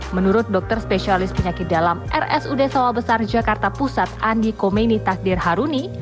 menurut dokter spesialis penyakit dalam rs ud sawabesar jakarta pusat andi komeni takdir haruni